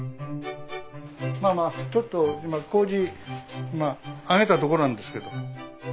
まあまあちょっと今こうじあげたとこなんですけど。